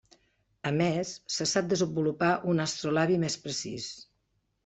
A més, se sap desenvolupar un astrolabi més precís.